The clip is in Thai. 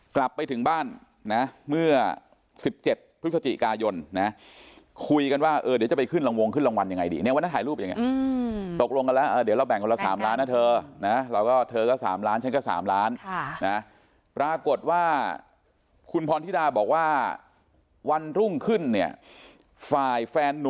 กลับไปถึงบ้านเมื่อ๑๗พฤศจิกายน